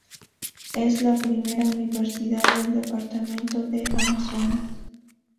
Es la primera universidad del departamento de Amazonas.